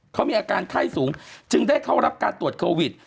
เขามีอาการไข้สูงจึงได้เข้ารับการตรวจโควิด